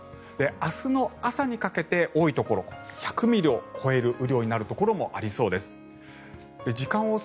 明日の朝にかけて、多いところ１００ミリを超える雨量になるところもありそうです。